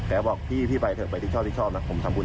แกบอกพี่ไปเถอะไปที่ชอบผมทำคุณมาให้